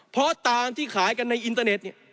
เพราะตามที่ขายกันในอินเตอร์เน็ตเนี่ย